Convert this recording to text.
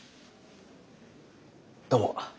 どうも。